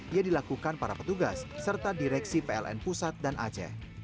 yang dilakukan para petugas serta direksi pln pusat dan aceh